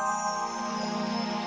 pertama kali aku kan alamyin itu